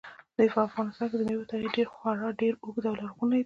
په افغانستان کې د مېوو تاریخ خورا ډېر اوږد او لرغونی دی.